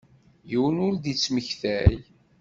Yiwen ur d-ittmektay.